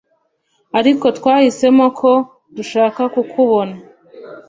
ariko twahisemo ko dushaka kukubona.